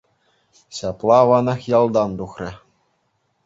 Ҫапла аванах ялтан тухрӗ.